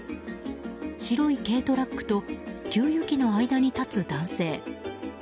白い軽トラックと給油機の間に立つ男性。